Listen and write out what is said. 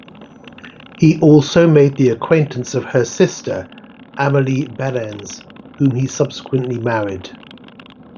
He also made the acquaintance of her sister, Amelie Behrens, whom he subsequently married.